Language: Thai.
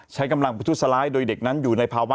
ใช้กำลังประทุษร้ายโดยเด็กนั้นอยู่ในภาวะ